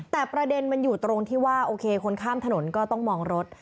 แต่ประเด็นมันอยู่ตรงที่ว่าโอเคคนข้ามถนนก็ต้องมองรถ